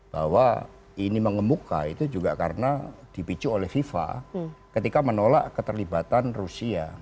bahwa ini mengemuka itu juga karena dipicu oleh fifa ketika menolak keterlibatan rusia